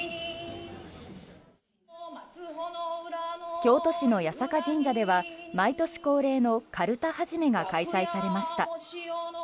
京都市の八坂神社では毎年恒例のかるた始めが開催されました。